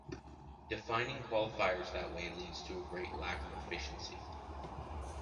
Defining quantifiers that way leads to a great lack of efficiency.